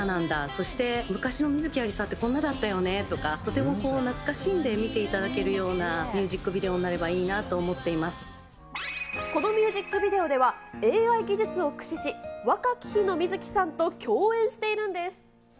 そして昔の観月ありさってこんなだったよねって、とても懐かしんで見ていただけるようなミュージックビデオになればいいなと思っこのミュージックビデオでは、ＡＩ技術を駆使し、若き日の観月さんと共演しているんです。